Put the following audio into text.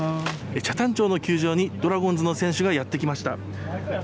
北谷町の球場にドラゴンズの選手がやってきました。